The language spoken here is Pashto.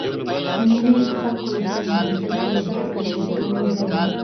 مېلې د خلکو له پاره د زدهکړي او زدهکړي شریکولو ځای دئ.